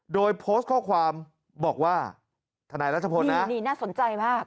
โดยโพสต์ข้อความบอกว่าทนายรัชพลนะนี่น่าสนใจมาก